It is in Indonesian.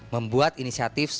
membuat inisiatif sosial